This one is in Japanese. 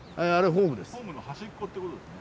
ホームの端っこってことですね。